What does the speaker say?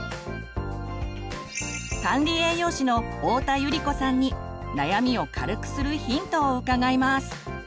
管理栄養士の太田百合子さんに悩みを軽くするヒントを伺います。